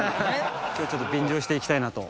・今日はちょっと便乗していきたいなと。